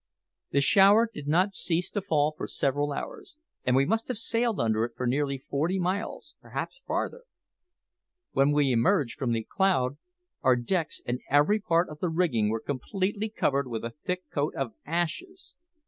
The shower did not cease to fall for several hours, and we must have sailed under it for nearly forty miles perhaps farther. When we emerged from the cloud, our decks and every part of the rigging were completely covered with a thick coat of ashes.